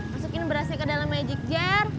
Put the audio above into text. masukin berasnya ke dalam magic jar